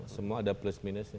semua ada plus minusnya